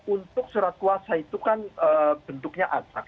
untuk surat kuasa itu kan bentuknya atrak